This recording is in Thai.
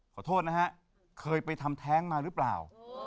ขอโทษนะฮะเคยไปทำแท้งมาหรือเปล่า